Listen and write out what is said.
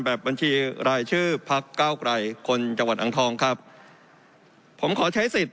บัญชีรายชื่อพักเก้าไกรคนจังหวัดอังทองครับผมขอใช้สิทธิ